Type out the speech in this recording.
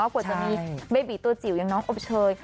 กว่าจะมีเบบีตัวจิ๋วอย่างน้องอบเชย